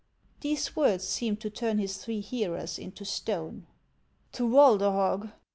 These words seemed to turn his three hearers into stone. " To Walderhog